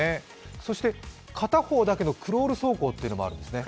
そして片方だけのクロール走行というのもあるんですね